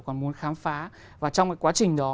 còn muốn khám phá và trong cái quá trình đó